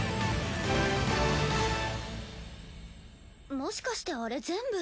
もしかしてあれ全部。